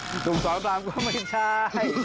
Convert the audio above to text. หนุ่มสองสามก็ไม่ใช่